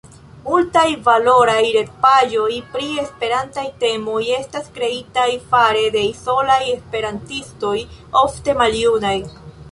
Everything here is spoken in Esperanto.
Multaj valoraj retpaĝoj pri esperantaj temoj estas kreitaj fare de izolaj esperantistoj, ofte maljunaj.